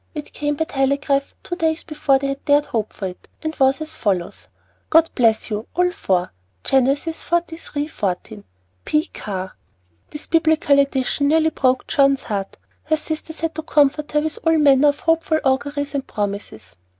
It came by telegraph two days before they had dared to hope for it, and was as follows: God bless you all four! Genesis xliii. 14. P. CARR. This Biblical addition nearly broke John's heart. Her sisters had to comfort her with all manner of hopeful auguries and promises.